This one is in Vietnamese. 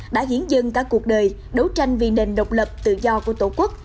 đã hiến dân cả cuộc đời đấu tranh vì nền độc lập tự do của tổ quốc